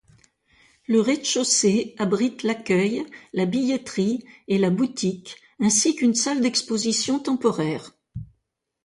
Le rez-de-chaussée abrite l’accueil, la billetterie et la boutique ainsi qu’une salle d’exposition temporaire.